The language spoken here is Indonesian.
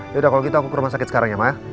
yaudah kalau gitu aku ke rumah sakit sekarang ya mas